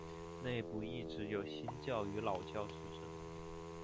内部一直有新教与老教之争。